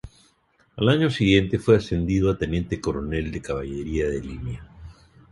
Al año siguiente fue ascendido a teniente coronel de caballería de línea.